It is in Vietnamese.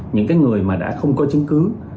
những cái người mà đã không có chứng cứ